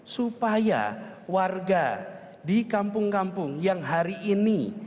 supaya warga di kampung kampung yang hari ini